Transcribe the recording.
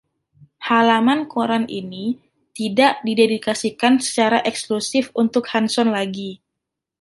Halaman koran ini tidak didedikasikan secara eksklusif untuk Hanson lagi.